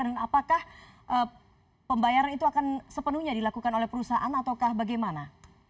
dan apakah pembayaran itu akan sepenuhnya dilakukan oleh perusahaan ataukah bagaimana